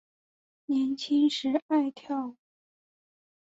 年轻时爱跳舞。